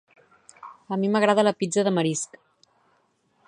A mi m'agrada la pizza de marisc